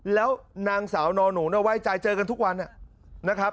แล้วนางสาวนอนหนูไว้ใจเจอกันทุกวันนะครับ